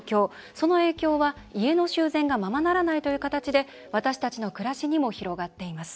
その影響は、家の修繕がままならないという形で私たちの暮らしにも広がっています。